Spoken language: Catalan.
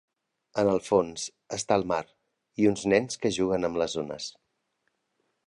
En el fons està el mar i uns nens que juguen amb les ones.